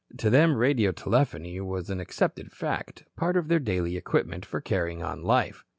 To them radio telephony was an accepted fact, part of their daily equipment for carrying on life.